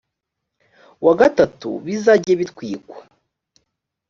wa gatatu bizajye bitwikwa